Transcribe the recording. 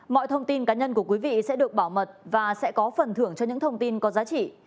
mọi thông tin cá nhân của quý vị sẽ được bảo mật và sẽ có phần thưởng cho những thông tin có giá trị